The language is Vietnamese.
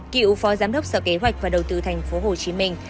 cựu phó giám đốc sở kế hoạch và đầu tư thành phố hồ chí minh